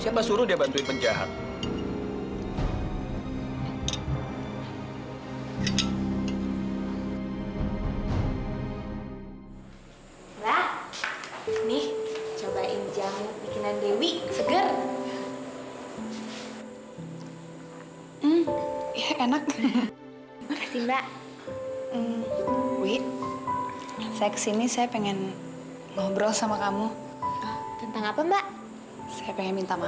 sampai jumpa di video selanjutnya